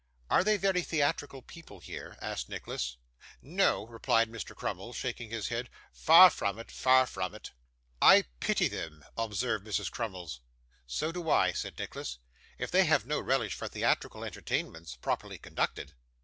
'Are they very theatrical people here?' asked Nicholas. 'No,' replied Mr. Crummles, shaking his head, 'far from it far from it.' 'I pity them,' observed Mrs. Crummles. 'So do I,' said Nicholas; 'if they have no relish for theatrical entertainments, properly conducted.